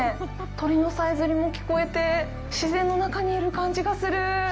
鳥のさえずりも聞こえて、自然の中にいる感じがする！